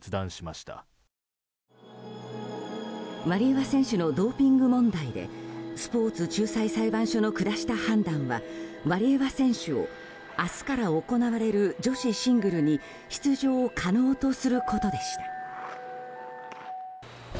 ワリエワ選手のドーピング問題でスポーツ仲裁裁判所の下した判断はワリエワ選手を明日から行われる女子シングルに出場可能とすることでした。